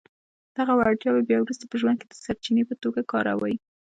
دغه وړتياوې بيا وروسته په ژوند کې د سرچینې په توګه کاروئ.